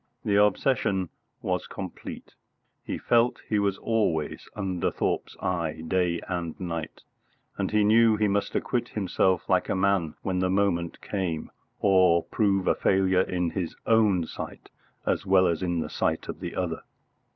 The obsession was complete. He felt he was always under Thorpe's eye day and night, and he knew he must acquit himself like a man when the moment came, or prove a failure in his own sight as well in the sight of the other.